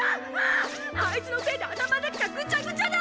あいつのせいで頭ん中がぐちゃぐちゃだ！